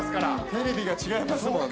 テレビが違いますもんね。